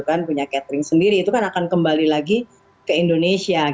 kan punya catering sendiri itu kan akan kembali lagi ke indonesia